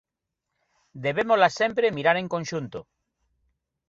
Debémolas sempre mirar en conxunto.